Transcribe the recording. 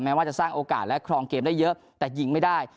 ว่าจะสร้างโอกาสและครองเกมได้เยอะแต่ยิงไม่ได้